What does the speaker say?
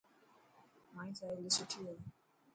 مائي سهيلي سٺي هي.